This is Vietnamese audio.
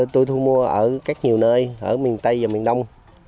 tôi thu mua ở các nhiều nơi ở miền tây và miền đông